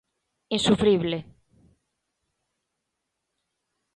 Insufrible.